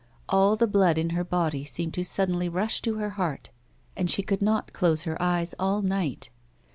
All the blood in her body seemed to suddenly rush to her heart and she could not close her eyes all night.